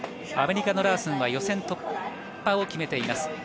アメリカのラースンは予選突破を決めています。